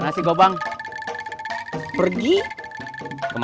iya tadi dari toko beli es krim